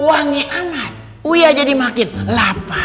wangi amat uya jadi makin lapar